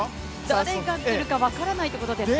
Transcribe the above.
誰がくるか分からないということですか？